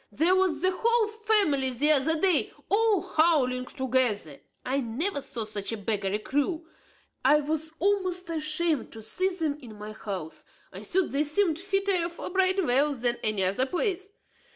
Here was the whole family here the other day, all howling together. I never saw such a beggarly crew; I was almost ashamed to see them in my house. I thought they seemed fitter for Bridewell than any other place.